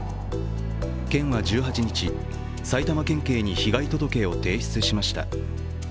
県は１８日、埼玉県警に被害届を提出しました。